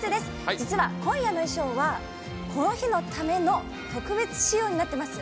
実は今夜の衣装はこの日のための特別仕様になってます。